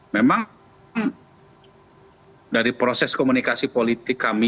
memang dari proses komunikasi politik kami